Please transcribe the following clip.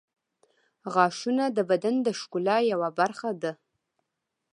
• غاښونه د بدن د ښکلا یوه برخه ده.